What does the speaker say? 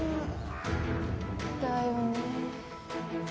だよね。